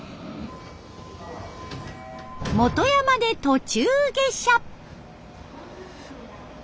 本山で途中下車。